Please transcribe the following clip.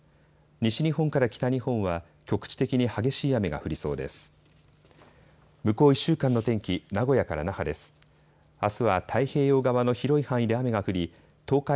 西日本から北日本は局地的に激しい雨が降りそうです。